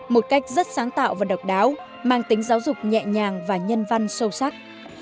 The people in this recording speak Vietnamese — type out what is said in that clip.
một cách rất sáng tạo và độc đáo mang tính giáo dục nhẹ nhàng và nhân văn sâu sắc